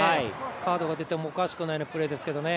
カードが出てもおかしくないようなプレーですけどね。